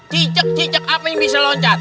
cicek jejak apa yang bisa loncat